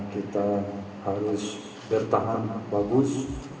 kita harus bertahan bagus